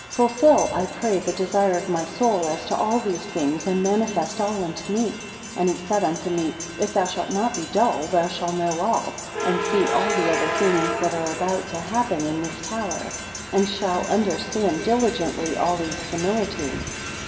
Fulfil, I pray, the desire of my soul as to all these things, and manifest all unto me. 46 And he said unto me; If thou shalt not be dull, thou shall know all, and shall see all the other things that are about to happen in this, tower: and shall understand diligently all these similitudes.